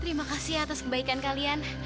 terima kasih atas kebaikan kalian